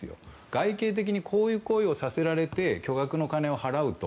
外形的にこういう行為をさせられて巨額の金を払うと。